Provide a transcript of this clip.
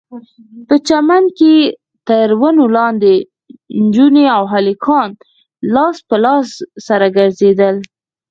په چمن کښې تر ونو لاندې نجونې او هلکان لاس په لاس سره ګرځېدل.